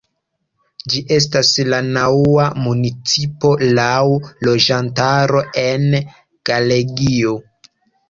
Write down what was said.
Ĝi estas la naŭa municipo laŭ loĝantaro en Galegio.